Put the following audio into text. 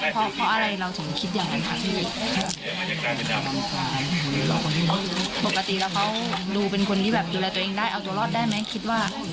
เพราะอะไรเราถึงคิดอย่างนั้นค่ะพี่ปกติแล้วเขาดูเป็นคนที่แบบดูแลตัวเองได้เอาตัวรอดได้ไหมคิดว่า